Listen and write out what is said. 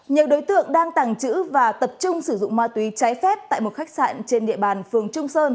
nhiều đối tượng đang tàng trữ và tập trung sử dụng ma túy trái phép tại một khách sạn trên địa bàn phường trung sơn